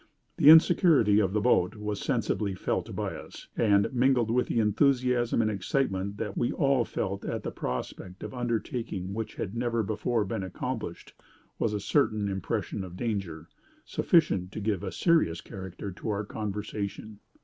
The insecurity of the boat was sensibly felt by us; and, mingled with the enthusiasm and excitement that we all felt at the prospect of an undertaking which had never before been accomplished, was a certain impression of danger, sufficient to give a serious character to our conversation.